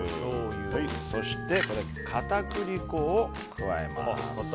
そして、片栗粉を加えます。